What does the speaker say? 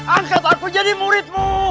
angkat aku jadi muridmu